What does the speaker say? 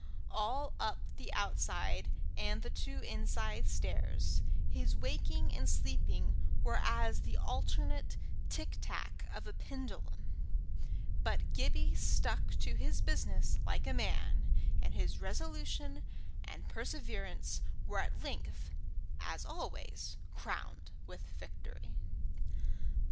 All up the outside and the two inside stairs, his waking and sleeping were as the alternate tictac of a pendulum; but Gibbie stuck to his business like a man, and his resolution and perseverance were at length, as always, crowned with victory.